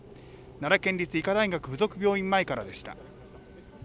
奈良県立医科大学附属病院前からでした。